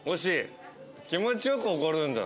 気持ちよくおごるんだろ？